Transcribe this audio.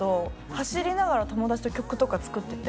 走りながら、友達と曲とか作ってて。